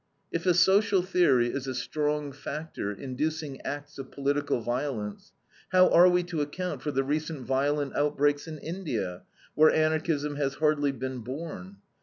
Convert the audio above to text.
If a social theory is a strong factor inducing acts of political violence, how are we to account for the recent violent outbreaks in India, where Anarchism has hardly been born.